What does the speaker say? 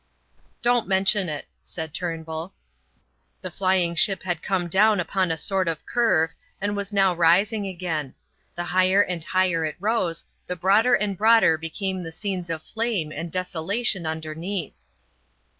"Don't mention it," said Turnbull. The flying ship had come down upon a sort of curve, and was now rising again. The higher and higher it rose the broader and broader became the scenes of flame and desolation underneath.